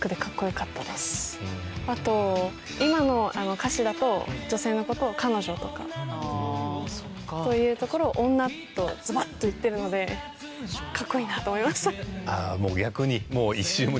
あと今の歌詞だと女性の事を「彼女」とかと言うところを「女」とズバッと言ってるのでかっこいいなと思いました。